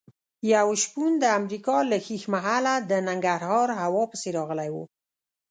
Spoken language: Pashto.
یو شپون د امریکا له ښیښ محله د ننګرهار هوا پسې راغلی و.